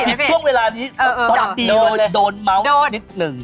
ผิดช่วงเวลานี้ตอนตีโดนเมาส์นิดนึง